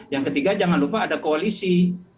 yang ketiga jangan lupa ada koalisi